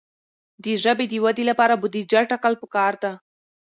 د ژبې د ودې لپاره بودیجه ټاکل پکار ده.